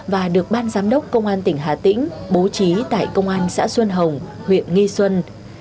và được ban giám đốc công an tỉnh hà tĩnh bố trí tại công an xã xuân hồng huyện nghi xuân